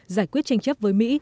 giải quyết tranh chấp với mỹ